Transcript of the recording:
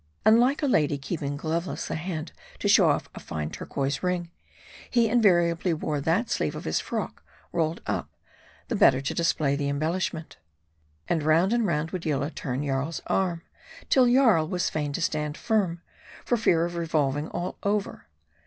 And like a lady keeping gloveless her hand to show off a fine Turquoise ring, he invariably wore that sleeve of his frock rolled up, the better to display the embellishment. And round and round would Yillah turn Jarl's arm, till Jarl was fain to stand firm, for fear of revolving all over.